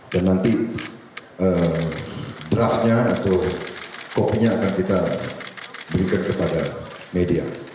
dan nanti draft nya atau copy nya akan kita berikan kepada media